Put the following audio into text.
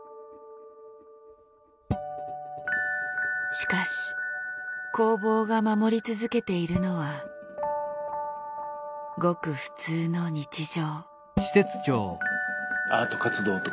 しかし工房が守り続けているのはごく普通の日常。